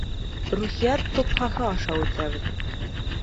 Рухиәт тупһаһы аша үтәбеҙ.